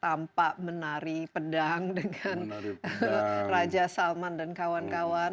tanpa menari pedang dengan raja salman dan kawan kawan